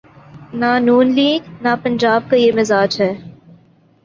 نہ ن لیگ‘ نہ پنجاب کا یہ مزاج ہے۔